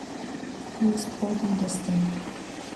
He was cold and distant.